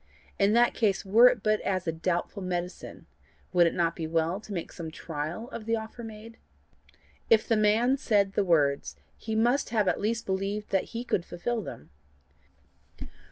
In that case, were it but as a doubtful medicine, would it not be well to make some trial of the offer made? If the man said the words, he must have at least believed that he could fulfil them.